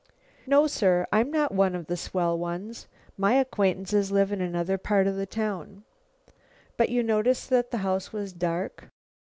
"No, sir, I'm not one of the swell ones. My acquaintances live in another part of the town." "But you noticed that the house was dark?"